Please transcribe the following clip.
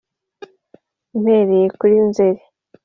mpereye kuri nzeri